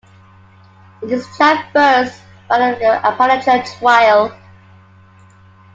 It is traversed by the Appalachian Trail.